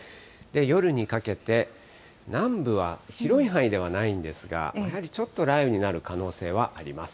夜にかけて南部は広い範囲ではないんですが、やはりちょっと雷雨になる可能性はあります。